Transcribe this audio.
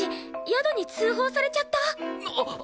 宿に通報されちゃった？